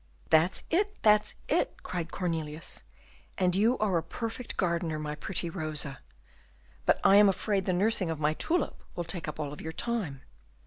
"That's it! that's it!" cried Cornelius; "and you are a perfect gardener, my pretty Rosa. But I am afraid the nursing of my tulip will take up all your time."